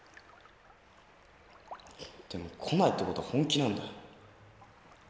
でも来ないってことは本気なんだよ。